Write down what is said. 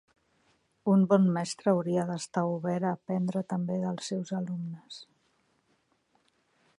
Un bon mestre hauria d'estar obert a aprendre també dels seus alumnes.